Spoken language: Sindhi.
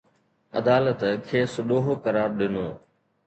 عدالت کيس ڏوهه قرار ڏنو